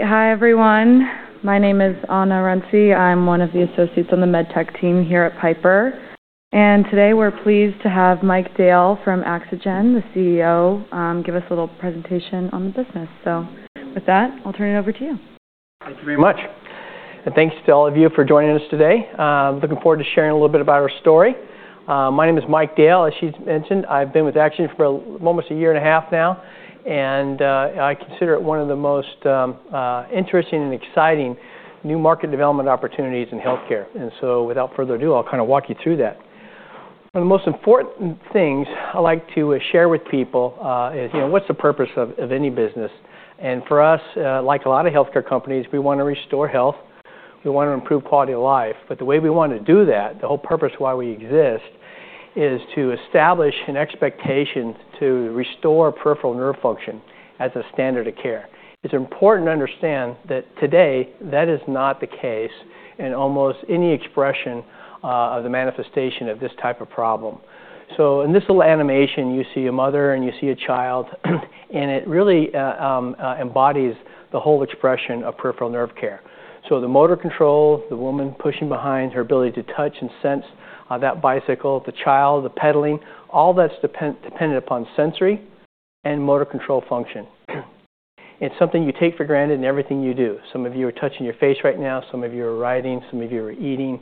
All right. Hi, everyone. My name is Ana Renzi. I'm one of the associates on the med tech team here at Piper. Today we're pleased to have Mike Dale from Axogen, the CEO, give us a little presentation on the business. With that, I'll turn it over to you. Thank you very much. Thanks to all of you for joining us today. Looking forward to sharing a little bit about our story. My name is Mike Dale. As she's mentioned, I've been with Axogen for almost a year and a half now. I consider it one of the most interesting and exciting new market development opportunities in health care. Without further ado, I'll kind of walk you through that. One of the most important things I like to share with people is what's the purpose of any business? For us, like a lot of health care companies, we want to restore health. We want to improve quality of life. The way we want to do that, the whole purpose why we exist, is to establish an expectation to restore peripheral nerve function as a standard of care. It's important to understand that today that is not the case in almost any expression of the manifestation of this type of problem. In this little animation, you see a mother and you see a child. It really embodies the whole expression of peripheral nerve care. The motor control, the woman pushing behind, her ability to touch and sense that bicycle, the child, the pedaling, all that's dependent upon sensory and motor control function. It's something you take for granted in everything you do. Some of you are touching your face right now. Some of you are writing. Some of you are eating.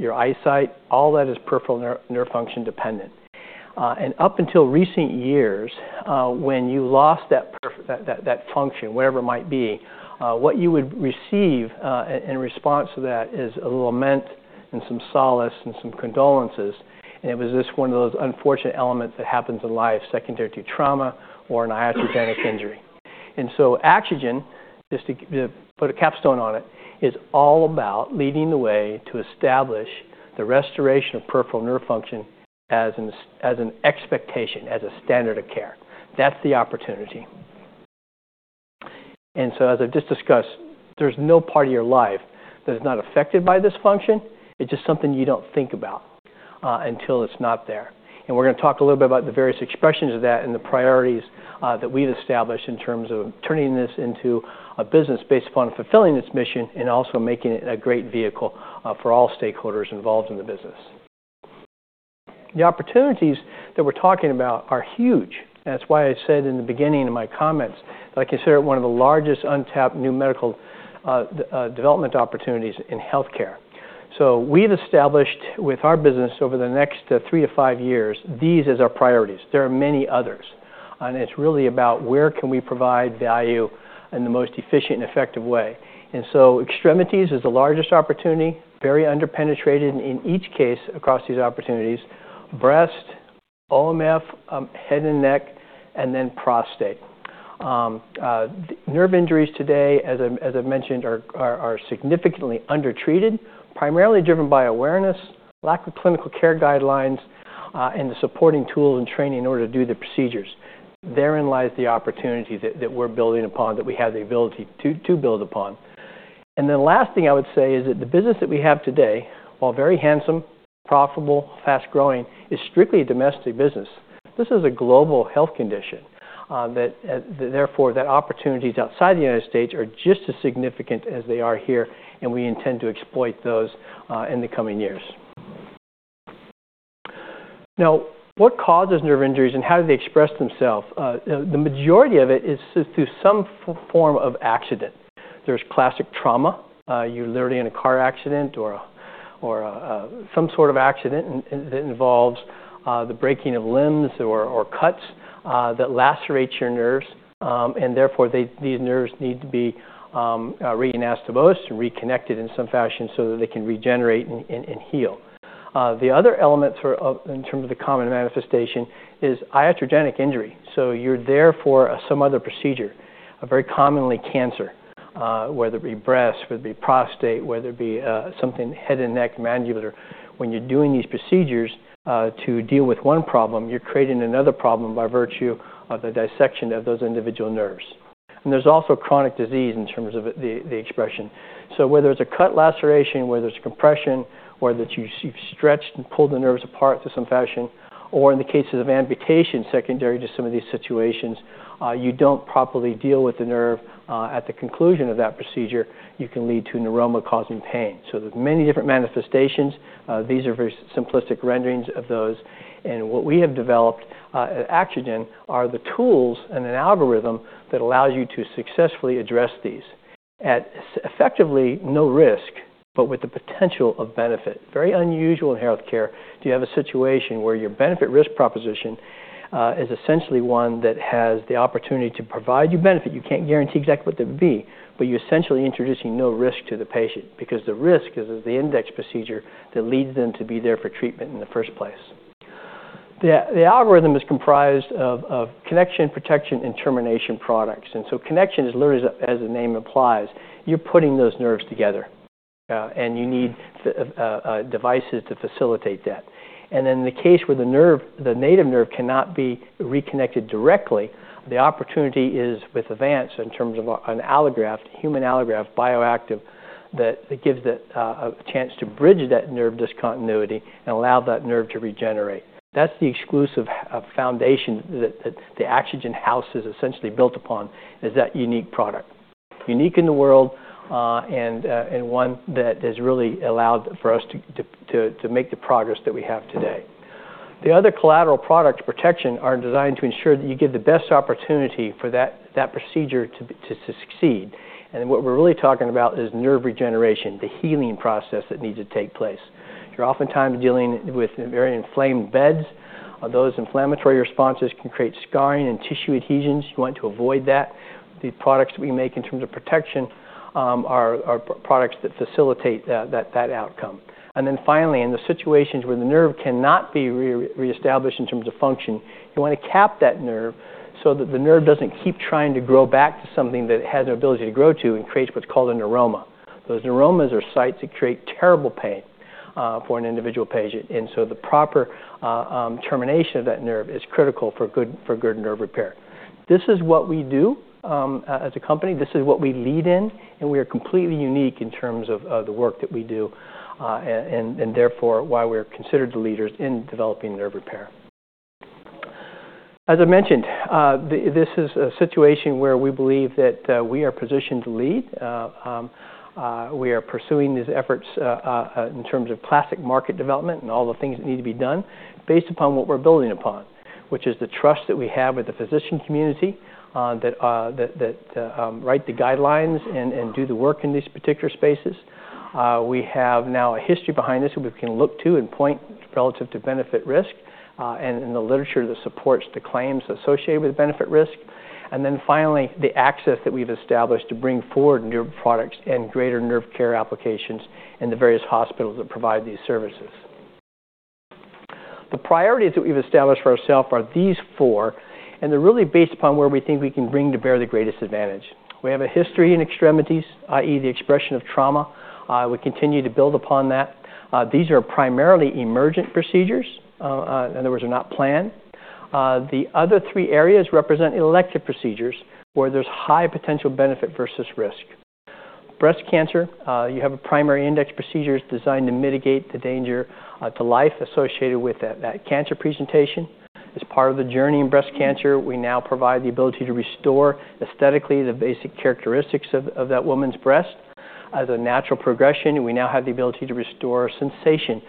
Your eyesight, all that is peripheral nerve function dependent. Up until recent years, when you lost that function, whatever it might be, what you would receive in response to that is a little lament and some solace and some condolences. It was just one of those unfortunate elements that happens in life secondary to trauma or an iatrogenic injury. Axogen, just to put a capstone on it, is all about leading the way to establish the restoration of peripheral nerve function as an expectation, as a standard of care. That's the opportunity. As I've just discussed, there's no part of your life that is not affected by this function. It's just something you don't think about until it's not there. We're going to talk a little bit about the various expressions of that and the priorities that we've established in terms of turning this into a business based upon fulfilling this mission and also making it a great vehicle for all stakeholders involved in the business. The opportunities that we're talking about are huge. That's why I said in the beginning of my comments that I consider it one of the largest untapped new medical development opportunities in health care. We have established with our business over the next three to five years these as our priorities. There are many others. It is really about where we can provide value in the most efficient and effective way. Extremities is the largest opportunity, very underpenetrated in each case across these opportunities: breast, OMF, head and neck, and then prostate. Nerve injuries today, as I have mentioned, are significantly undertreated, primarily driven by awareness, lack of clinical care guidelines, and the supporting tools and training in order to do the procedures. Therein lies the opportunity that we are building upon, that we have the ability to build upon. The last thing I would say is that the business that we have today, while very handsome, profitable, fast growing, is strictly a domestic business. This is a global health condition. Therefore, the opportunities outside the United States are just as significant as they are here. We intend to exploit those in the coming years. Now, what causes nerve injuries and how do they express themselves? The majority of it is through some form of accident. There is classic trauma. You are literally in a car accident or some sort of accident that involves the breaking of limbs or cuts that lacerate your nerves. Therefore, these nerves need to be reanastomosed and reconnected in some fashion so that they can regenerate and heal. The other element in terms of the common manifestation is iatrogenic injury. You're there for some other procedure, very commonly cancer, whether it be breast, whether it be prostate, whether it be something head and neck, mandibular. When you're doing these procedures to deal with one problem, you're creating another problem by virtue of the dissection of those individual nerves. There's also chronic disease in terms of the expression. Whether it's a cut laceration, whether it's compression, whether you've stretched and pulled the nerves apart to some fashion, or in the cases of amputation secondary to some of these situations, if you don't properly deal with the nerve at the conclusion of that procedure, you can lead to neuroma causing pain. There are many different manifestations. These are very simplistic renderings of those. What we have developed at Axogen are the tools and an algorithm that allows you to successfully address these at effectively no risk, but with the potential of benefit. Very unusual in health care to have a situation where your benefit-risk proposition is essentially one that has the opportunity to provide you benefit. You can't guarantee exactly what that would be. You're essentially introducing no risk to the patient because the risk is the index procedure that leads them to be there for treatment in the first place. The algorithm is comprised of connection, protection, and termination products. Connection is literally, as the name implies, you're putting those nerves together. You need devices to facilitate that. In the case where the native nerve cannot be reconnected directly, the opportunity is with Avance in terms of an allograft, human allograft, bioactive that gives a chance to bridge that nerve discontinuity and allow that nerve to regenerate. That is the exclusive foundation that the Axogen house is essentially built upon, is that unique product. Unique in the world and one that has really allowed for us to make the progress that we have today. The other collateral products, protection, are designed to ensure that you give the best opportunity for that procedure to succeed. What we are really talking about is nerve regeneration, the healing process that needs to take place. You are oftentimes dealing with very inflamed beds. Those inflammatory responses can create scarring and tissue adhesions. You want to avoid that. The products we make in terms of protection are products that facilitate that outcome. Finally, in the situations where the nerve cannot be reestablished in terms of function, you want to cap that nerve so that the nerve does not keep trying to grow back to something that it has no ability to grow to and creates what is called a neuroma. Those neuromas are sites that create terrible pain for an individual patient. The proper termination of that nerve is critical for good nerve repair. This is what we do as a company. This is what we lead in. We are completely unique in terms of the work that we do and therefore why we are considered the leaders in developing nerve repair. As I mentioned, this is a situation where we believe that we are positioned to lead. We are pursuing these efforts in terms of classic market development and all the things that need to be done based upon what we're building upon, which is the trust that we have with the physician community that write the guidelines and do the work in these particular spaces. We have now a history behind this that we can look to and point relative to benefit-risk and in the literature that supports the claims associated with benefit-risk. Finally, the access that we've established to bring forward new products and greater nerve care applications in the various hospitals that provide these services. The priorities that we've established for ourselves are these four. They're really based upon where we think we can bring to bear the greatest advantage. We have a history in extremities, i.e., the expression of trauma. We continue to build upon that. These are primarily emergent procedures. In other words, they're not planned. The other three areas represent elective procedures where there's high potential benefit versus risk. Breast cancer, you have a primary index procedure designed to mitigate the danger to life associated with that cancer presentation. As part of the journey in breast cancer, we now provide the ability to restore aesthetically the basic characteristics of that woman's breast. As a natural progression, we now have the ability to restore sensation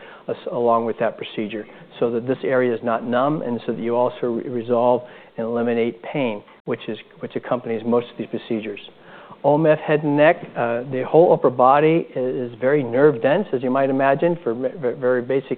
along with that procedure so that this area is not numb and so that you also resolve and eliminate pain, which accompanies most of these procedures. OMF head and neck, the whole upper body is very nerve dense, as you might imagine, for very basic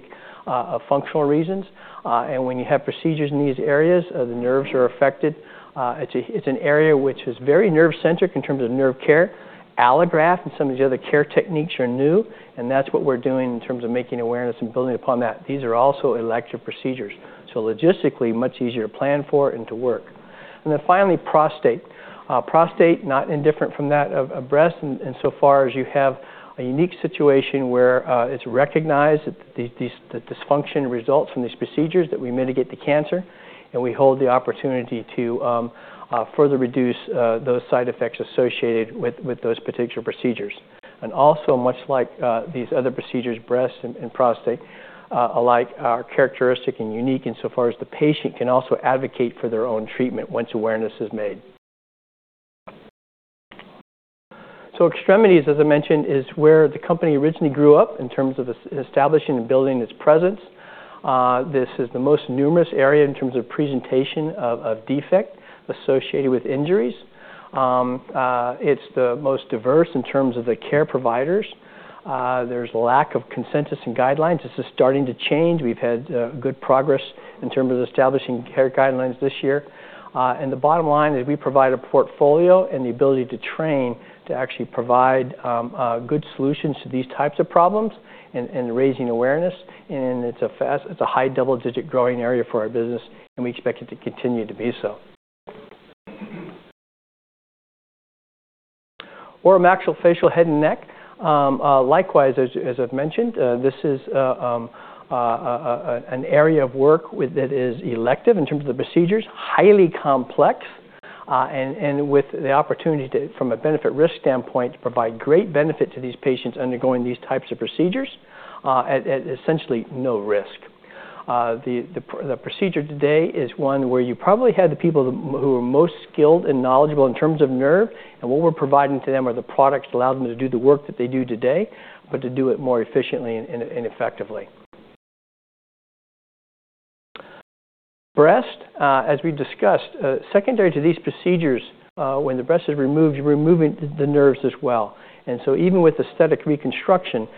functional reasons. When you have procedures in these areas, the nerves are affected. It's an area which is very nerve-centric in terms of nerve care. Allograft and some of the other care techniques are new. That's what we're doing in terms of making awareness and building upon that. These are also elective procedures. Logistically, much easier to plan for and to work. Finally, prostate. Prostate, not indifferent from that of breast insofar as you have a unique situation where it's recognized that the dysfunction results from these procedures that we mitigate the cancer. We hold the opportunity to further reduce those side effects associated with those particular procedures. Much like these other procedures, breast and prostate alike are characteristic and unique insofar as the patient can also advocate for their own treatment once awareness is made. Extremities, as I mentioned, is where the company originally grew up in terms of establishing and building its presence. This is the most numerous area in terms of presentation of defect associated with injuries. It's the most diverse in terms of the care providers. There's a lack of consensus and guidelines. This is starting to change. We've had good progress in terms of establishing care guidelines this year. The bottom line is we provide a portfolio and the ability to train to actually provide good solutions to these types of problems and raising awareness. It's a high double-digit growing area for our business. We expect it to continue to be so. Oral maxillofacial head and neck. Likewise, as I've mentioned, this is an area of work that is elective in terms of the procedures, highly complex, and with the opportunity from a benefit-risk standpoint to provide great benefit to these patients undergoing these types of procedures at essentially no risk. The procedure today is one where you probably had the people who are most skilled and knowledgeable in terms of nerve. What we're providing to them are the products that allow them to do the work that they do today, but to do it more efficiently and effectively. Breast, as we discussed, secondary to these procedures, when the breast is removed, you're removing the nerves as well. Even with aesthetic reconstruction,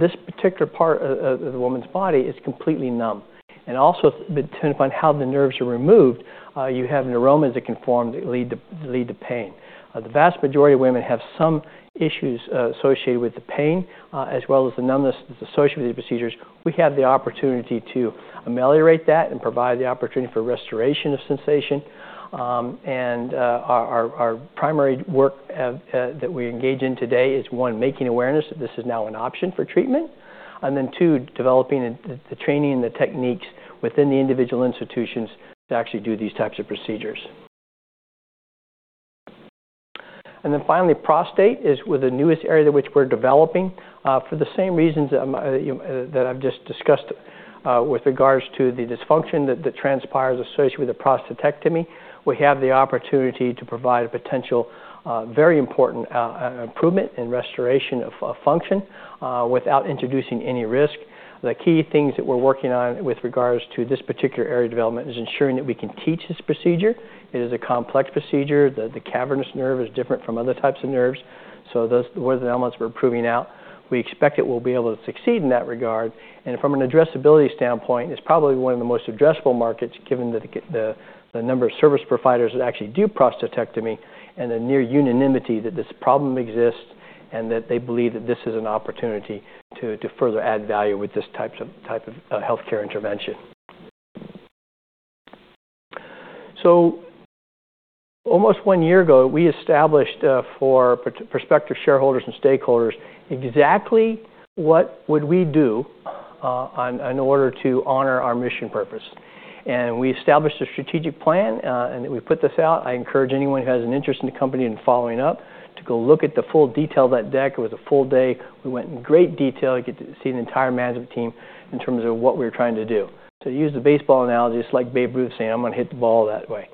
this particular part of the woman's body is completely numb. Also, depending upon how the nerves are removed, you have neuromas that can form that lead to pain. The vast majority of women have some issues associated with the pain as well as the numbness that's associated with these procedures. We have the opportunity to ameliorate that and provide the opportunity for restoration of sensation. Our primary work that we engage in today is, one, making awareness that this is now an option for treatment. Two, developing the training and the techniques within the individual institutions to actually do these types of procedures. Finally, prostate is the newest area that we're developing for the same reasons that I've just discussed with regards to the dysfunction that transpires associated with the prostatectomy. We have the opportunity to provide a potential very important improvement in restoration of function without introducing any risk. The key things that we're working on with regards to this particular area of development is ensuring that we can teach this procedure. It is a complex procedure. The cavernous nerve is different from other types of nerves. Those were the elements we're proving out. We expect that we'll be able to succeed in that regard. From an addressability standpoint, it's probably one of the most addressable markets given the number of service providers that actually do prostatectomy and the near unanimity that this problem exists and that they believe that this is an opportunity to further add value with this type of health care intervention. Almost one year ago, we established for prospective shareholders and stakeholders exactly what we would do in order to honor our mission purpose. We established a strategic plan. We put this out. I encourage anyone who has an interest in the company and following up to go look at the full detail of that deck. It was a full day. We went in great detail. You get to see the entire management team in terms of what we're trying to do. To use the baseball analogy, it's like Babe Ruth saying, "I'm going to hit the ball that way."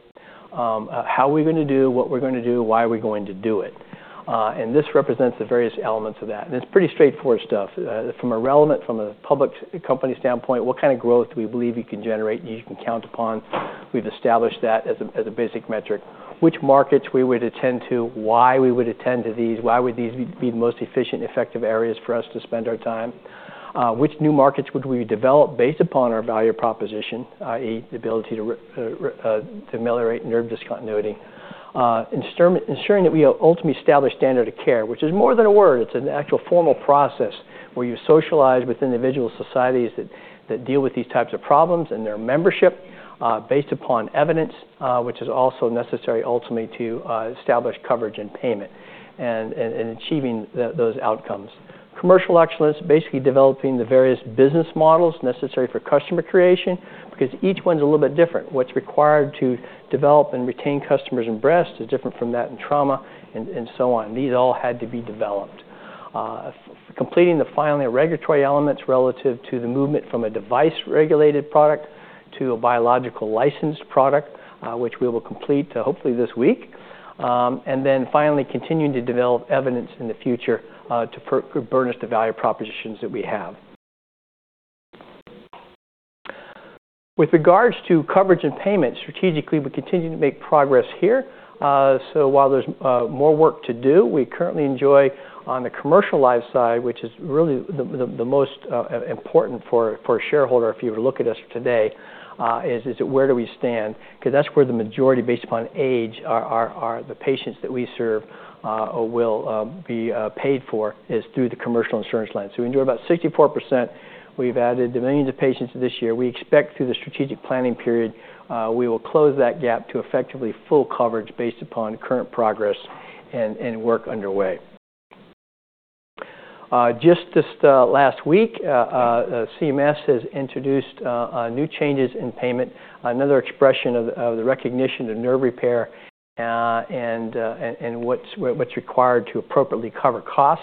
How are we going to do what we're going to do? Why are we going to do it? This represents the various elements of that. It's pretty straightforward stuff. From a public company standpoint, what kind of growth do we believe you can generate and you can count upon? We've established that as a basic metric. Which markets we would attend to, why we would attend to these, why these would be the most efficient, effective areas for us to spend our time. Which new markets we would develop based upon our value proposition, i.e., the ability to ameliorate nerve discontinuity. Ensuring that we ultimately establish standard of care, which is more than a word. It's an actual formal process where you socialize with individual societies that deal with these types of problems and their membership based upon evidence, which is also necessary ultimately to establish coverage and payment and achieving those outcomes. Commercial excellence, basically developing the various business models necessary for customer creation because each one's a little bit different. What's required to develop and retain customers in breast is different from that in trauma and so on. These all had to be developed. Completing the final regulatory elements relative to the movement from a device-regulated product to a biological licensed product, which we will complete hopefully this week. Finally, continuing to develop evidence in the future to further burnish the value propositions that we have. With regards to coverage and payment, strategically, we continue to make progress here. While there's more work to do, we currently enjoy on the commercial life side, which is really the most important for a shareholder if you were to look at us today, is where do we stand? Because that's where the majority, based upon age, are the patients that we serve or will be paid for is through the commercial insurance line. We enjoy about 64%. We've added the millions of patients this year. We expect through the strategic planning period, we will close that gap to effectively full coverage based upon current progress and work underway. Just last week, CMS has introduced new changes in payment, another expression of the recognition of nerve repair and what's required to appropriately cover cost.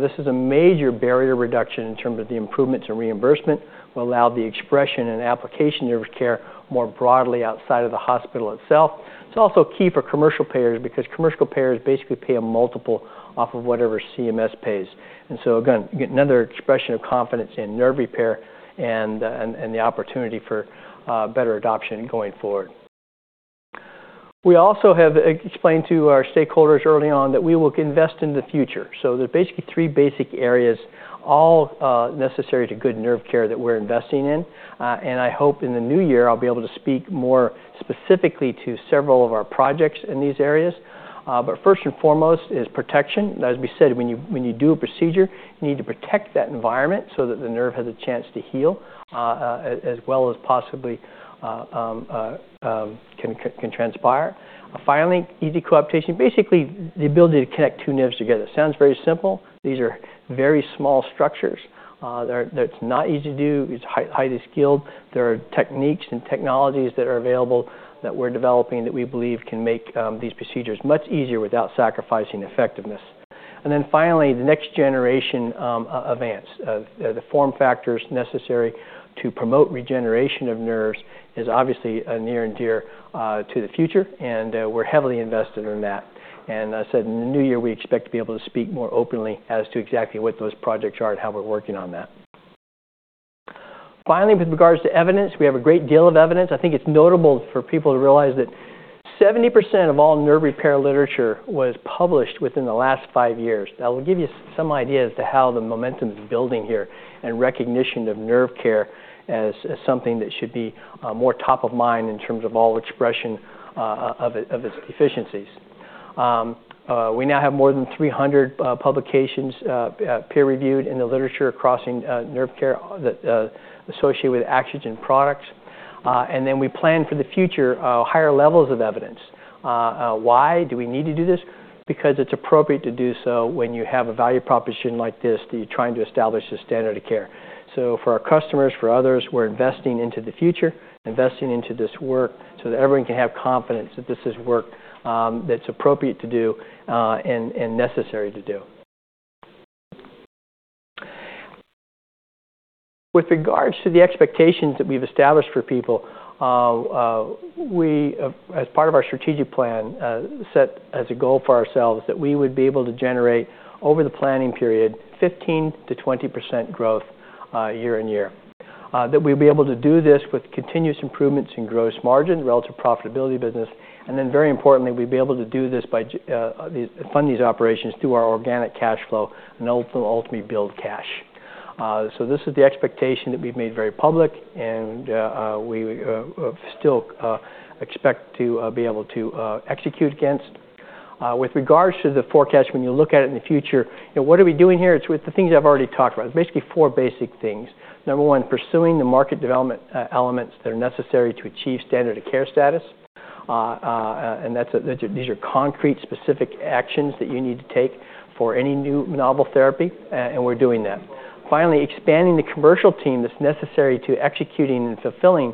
This is a major barrier reduction in terms of the improvements in reimbursement. We'll allow the expression and application of care more broadly outside of the hospital itself. It's also key for commercial payers because commercial payers basically pay a multiple off of whatever CMS pays. Again, another expression of confidence in nerve repair and the opportunity for better adoption going forward. We also have explained to our stakeholders early on that we will invest in the future. There are basically three basic areas all necessary to good nerve care that we're investing in. I hope in the new year, I'll be able to speak more specifically to several of our projects in these areas. First and foremost is protection. As we said, when you do a procedure, you need to protect that environment so that the nerve has a chance to heal as well as possibly can transpire. Finally, easy coaptation, basically the ability to connect two nerves together. Sounds very simple. These are very small structures. It's not easy to do. It's highly skilled. There are techniques and technologies that are available that we're developing that we believe can make these procedures much easier without sacrificing effectiveness. Finally, the next generation of Avance. The form factors necessary to promote regeneration of nerves is obviously a near and dear to the future. We're heavily invested in that. I said in the new year, we expect to be able to speak more openly as to exactly what those projects are and how we're working on that. Finally, with regards to evidence, we have a great deal of evidence. I think it's notable for people to realize that 70% of all nerve repair literature was published within the last five years. That will give you some idea as to how the momentum is building here and recognition of nerve care as something that should be more top of mind in terms of all expression of its deficiencies. We now have more than 300 publications peer-reviewed in the literature crossing nerve care associated with Axogen products. We plan for the future, higher levels of evidence. Why do we need to do this? Because it's appropriate to do so when you have a value proposition like this that you're trying to establish a standard of care. For our customers, for others, we're investing into the future, investing into this work so that everyone can have confidence that this is work that's appropriate to do and necessary to do. With regards to the expectations that we've established for people, we, as part of our strategic plan, set as a goal for ourselves that we would be able to generate over the planning period 15%-20% growth year on-year. That we'll be able to do this with continuous improvements in gross margin, relative profitability of business. Very importantly, we'd be able to do this by fund these operations through our organic cash flow and ultimately build cash. This is the expectation that we've made very public. We still expect to be able to execute against. With regards to the forecast, when you look at it in the future, what are we doing here? It's with the things I've already talked about. It's basically four basic things. Number one, pursuing the market development elements that are necessary to achieve standard of care status. These are concrete specific actions that you need to take for any new novel therapy. We are doing that. Finally, expanding the commercial team that's necessary to executing and fulfilling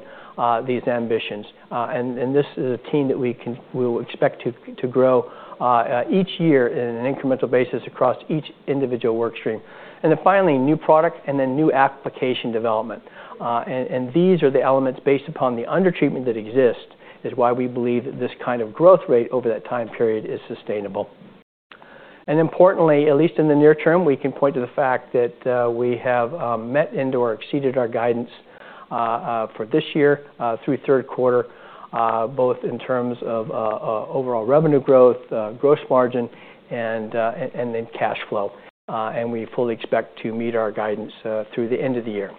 these ambitions. This is a team that we will expect to grow each year on an incremental basis across each individual workstream. Finally, new product and new application development. These are the elements based upon the under treatment that exists, which is why we believe that this kind of growth rate over that time period is sustainable. Importantly, at least in the near term, we can point to the fact that we have met and/or exceeded our guidance for this year through third quarter, both in terms of overall revenue growth, gross margin, and cash flow. We fully expect to meet our guidance through the end of the year.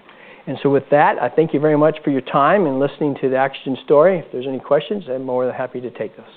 Thank you very much for your time and listening to the Axogen story. If there's any questions, I'm more than happy to take those.